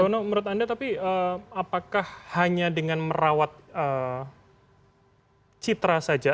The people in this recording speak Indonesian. nono menurut anda tapi apakah hanya dengan merawat citra saja